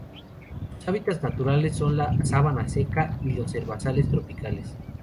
Sus hábitats naturales son la sabana seca y los herbazales tropicales.